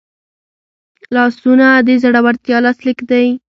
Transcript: لاسونه د زړورتیا لاسلیک دی